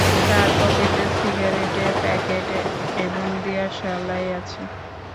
তাঁর পকেটে সিগারেটের প্যাকেট এবং দিয়াশলাই আছে।